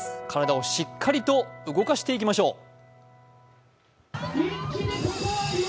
体をしっかりと動かしていきましょう。